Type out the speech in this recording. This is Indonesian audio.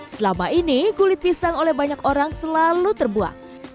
selama ini kulit pisang oleh banyak orang selalu terbuang